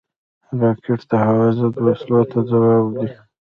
راکټ د هوا ضد وسلو ته ځواب دی